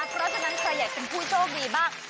เพราะฉะนั้นใครอยากเป็นผู้โชคดีบ้าง